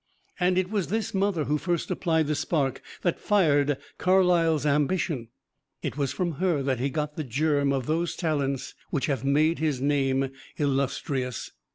And it was this mother who first applied the spark that fired Carlyle's ambition; it was from her that he got the germ of those talents which have made his name illustrious.